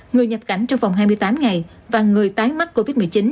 người nhập cảnh trong vòng hai mươi tám ngày và người tái mắc covid một mươi chín